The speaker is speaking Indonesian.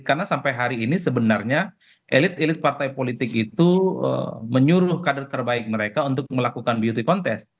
karena sampai hari ini sebenarnya elit elit partai politik itu menyuruh kader terbaik mereka untuk melakukan beauty contest